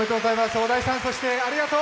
小田井さん、そしてありがとう。